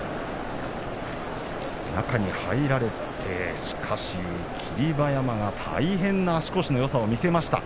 中に入られて、しかし霧馬山が大変な足腰のよさを見せました。